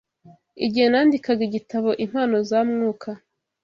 Igihe nandikaga igitabo “Impano za Mwuka,”